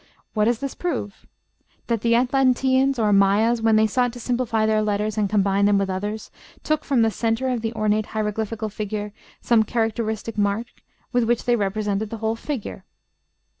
What does this prove? That the Atlanteans, or Mayas, when they sought to simplify their letters and combine them with others, took from the centre of the ornate hieroglyphical figure some characteristic mark with which they represented the whole figure.